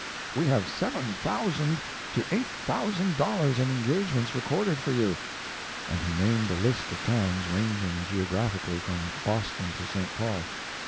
We have seven thousand to eight thousand dollars in engagements recorded for you," and he named a list of towns ranging geographically from Boston to St. Paul.